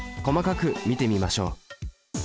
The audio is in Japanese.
細かく見てみましょう。